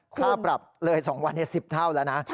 ค่าปรับเลย๒วันนี้๑๐เท่าแล้วนะ